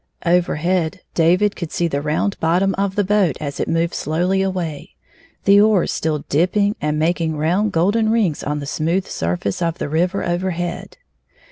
Overhead David could see the round hot 51 torn of the boat as it moved slowly away, the oars still dipping and making round golden rings on the smooth surface of the river overhead.